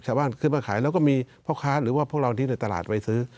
ชาวบ้านขึ้นมาขายแล้วก็มีพ่อค้าหรือว่าพวกเราที่ในตลาดไปซื้อ